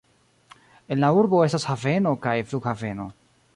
En la urbo estas haveno kaj flughaveno.